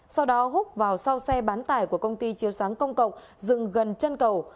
sau đó hút vào sau xe bán tải của công ty chiếu sáng công cộng dừng gần chân cầu